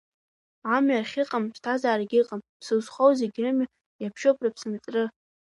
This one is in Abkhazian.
Амҩа ахьыҟам ԥсҭазаарагь ыҟам, ԥсы зхоу зегь рымҩа иаԥшьуп рыԥсынҵры.